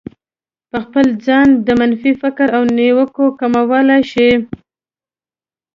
په خپل ځان د منفي فکر او نيوکو کمولای شئ.